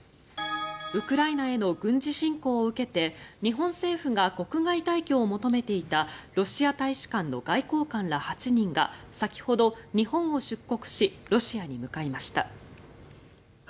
ウクライナへの軍事侵攻を受けて日本政府が国外退去を求めていたロシア大使館の外交官ら８人が先ほど日本を出国しロシアに向かいました。